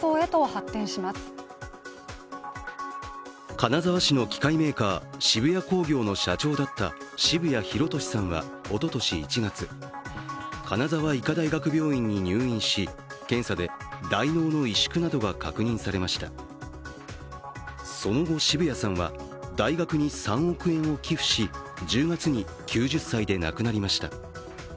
金沢市の機械メーカー澁谷工業の社長だった澁谷弘利さんはおととし１月、金沢医科大学病院に入院し検査でその後、澁谷さんは大学に３億円を寄付し１０月に９０歳で亡くなりました。